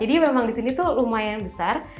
jadi memang disini tuh lumayan besar